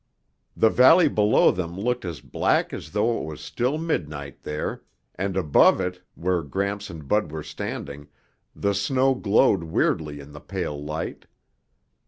The valley below them looked as black as though it was still midnight there, and above it, where Gramps and Bud were standing, the snow glowed weirdly in the pale light.